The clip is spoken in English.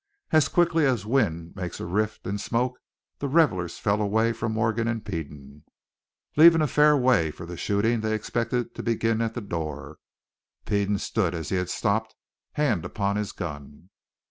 As quickly as wind makes a rift in smoke the revelers fell away from Morgan and Peden, leaving a fairway for the shooting they expected to begin at the door. Peden stood as he had stopped, hand upon his gun.